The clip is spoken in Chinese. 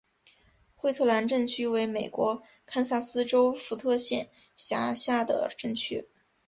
惠特兰镇区为美国堪萨斯州福特县辖下的镇区。